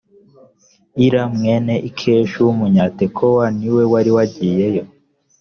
ira mwene ikeshi w’umunyatekowa ni we wari wagiyeyo